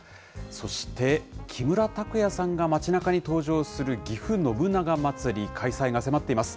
そして、木村拓哉さんが町なかに登場するぎふ信長まつり、開催が迫っています。